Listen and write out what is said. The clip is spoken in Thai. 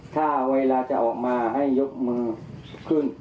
ถ้าเวลาจะออกมาให้ยกมือขึ้น